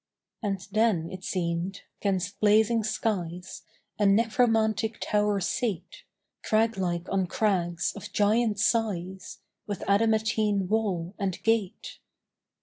And then, it seemed, 'gainst blazing skies A necromantic tower sate, Crag like on crags, of giant size; With adamatine wall and gate.